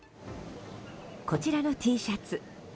こちらのＴシャツ